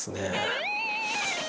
え！